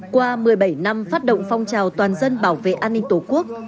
qua một mươi bảy năm phát động phong trào toàn dân bảo vệ an ninh tổ quốc